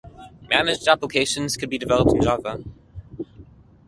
Managed applications could be developed in Java.